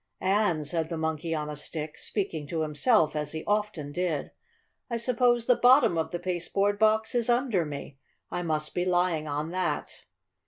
"And," said the Monkey on a Stick, speaking to himself, as he often did, "I suppose the bottom of the pasteboard box is under me. I must be lying on that."